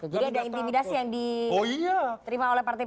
jadi ada intimidasi yang diterima oleh partai prima